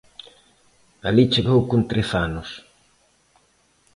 Alí chegou con trece anos.